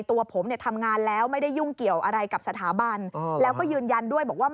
ตัวผมทำงานแล้วไม่ได้ยุ่งเกี่ยวอะไรกับสถาบัน